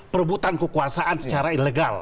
perbutan kekuasaan secara ilegal